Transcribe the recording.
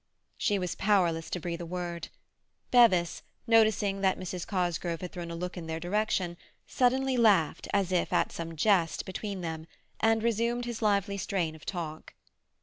She was powerless to breathe a word. Bevis, noticing that Mrs. Cosgrove had thrown a look in their direction, suddenly laughed as if at some jest between them, and resumed his lively strain of talk.